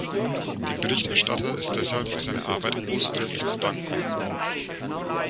Dem Berichterstatter ist deshalb für seine Arbeit ausdrücklich zu danken.